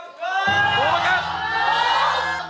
ถูกครับ